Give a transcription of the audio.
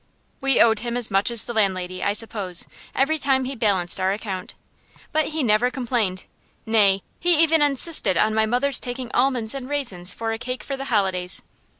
We owed him as much as the landlady, I suppose, every time he balanced our account. But he never complained; nay, he even insisted on my mother's taking almonds and raisins for a cake for the holidays.